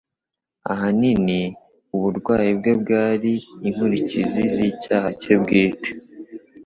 Ahanini, uburwayi bwe bwari inkurikizi z’icyaha cye bwite